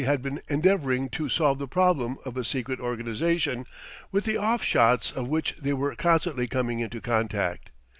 had been endeavouring to solve the problem of a secret organisation, with the offshots of which they were constantly coming into contact.